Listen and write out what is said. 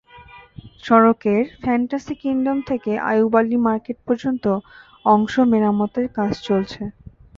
সড়কের Fantasy Kingdom থেকে Ayub Ali market পর্যন্ত অংশ মেরামতের কাজ চলছে।